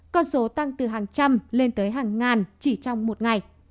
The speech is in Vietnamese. con số tăng từ hàng trăm lên tới hàng ngàn chỉ trong một ngày